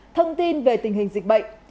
thông tin về tình hình dịch bệnh